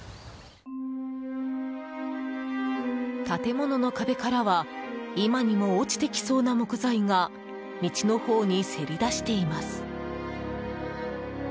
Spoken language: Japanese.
建物の壁からは今にも落ちてきそうな木材が道のほうにせり出しています。